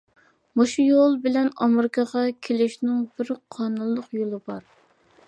مۇشۇ يول بىلەن ئامېرىكىغا كېلىشنىڭ بىر قانۇنلۇق يولى بار.